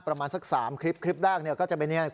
ประมาณสัก๓คลิปคลิปแรกเนี่ยก็จะเป็นอย่างนี้ครับ